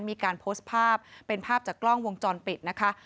มีการโพสต์ภาพเป็นภาพจากกล้องวงจรปิดนะคะ